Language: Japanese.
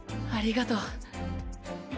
ありがと。